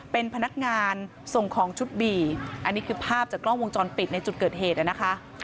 เป็นพนักงานส่งของชุดบีอันนี้คือภาพจากกล้องวงจรปิดในจุดเกิดเหตุนะคะ